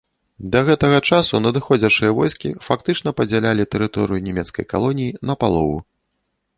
Да гэтага часу надыходзячыя войскі фактычна падзялілі тэрыторыю нямецкай калоніі напалову.